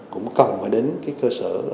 cũng cần phải đến cái cơ sở